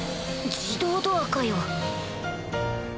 自動ドアかよ